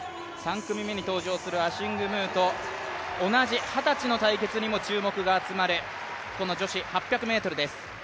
３組目に登場するアシング・ムーと同じ二十歳の対決にも注目が集まるこの女子８００ｍです。